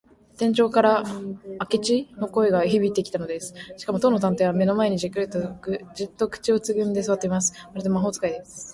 天井から明智の声がひびいてきたのです。しかも、当の探偵は目の前に、じっと口をつぐんですわっています。まるで魔法使いです。